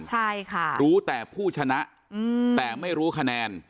ใช่ค่ะรู้แต่ผู้ชนะแต่ไม่รู้คะแนน